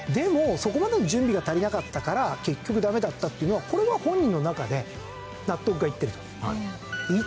そこまでの準備が足りなかったから結局ダメだったっていうのはこれは本人の中で納得がいってると。